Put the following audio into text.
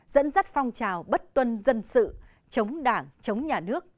dẫn dắt phong trào bất tuân dân sự chống đảng chống nhà nước